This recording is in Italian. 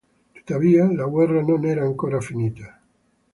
Tuttavia, la guerra non era ancora finita.